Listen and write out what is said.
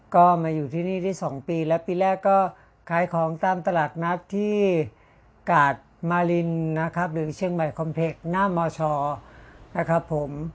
ก็มาอยู่ที่นี่ได้๒ปีแล้วปีแรกก็ขายของตามตลาดนัดที่กาดมารินนะครับหรือเชียงใหม่คอมเทคหน้ามชนะครับผม